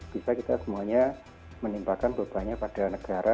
bisa kita semuanya menimpalkan berbahaya pada negara